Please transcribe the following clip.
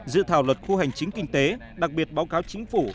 dự thảo luật khu hành chính kinh tế đặc biệt báo cáo chính phủ